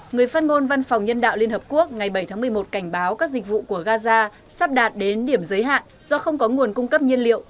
người phát ngôn văn phòng nhân đạo liên hợp quốc ngày bảy tháng một mươi một cảnh báo các dịch vụ của gaza sắp đạt đến điểm giới hạn do không có nguồn cung cấp nhiên liệu